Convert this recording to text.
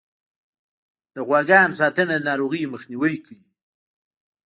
د غواګانو ساتنه د ناروغیو مخنیوی کوي.